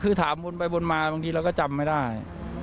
คือถามวนไปวนมาบางทีเราก็จำไม่ได้